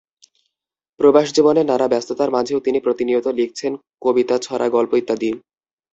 প্রবাসজীবনের নানা ব্যস্ততার মাঝেও তিনি প্রতিনিয়ত লিখছেন কবিতা ছড়া গল্প ইত্যাদি।